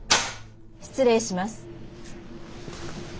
失礼します。